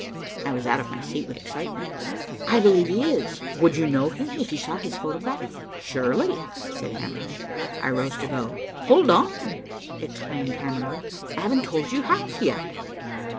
I was out of my seat with excitement. "I believe he is. Would you know him if you saw his photograph?" "Surely," said Hamerly. I rose to go. "Hold on," exclaimed Hamerly, "I haven't told you half yet."